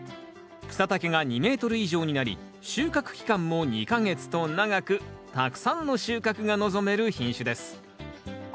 草丈が２ｍ以上になり収穫期間も２か月と長くたくさんの収穫が望める品種です。